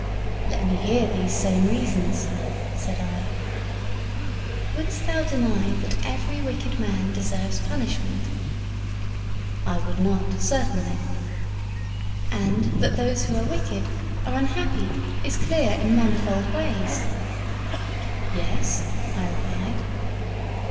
'Let me hear these same reasons,' said I. 'Wouldst thou deny that every wicked man deserves punishment?' 'I would not, certainly.' 'And that those who are wicked are unhappy is clear in manifold ways?' 'Yes,' I replied.